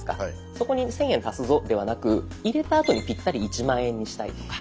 そこに１，０００円足すぞではなく入れたあとにピッタリ１０，０００円にしたいとか。